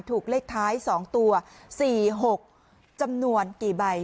ถูกเลขท้าย๒ตัว๔๖จำนวนกี่ใบ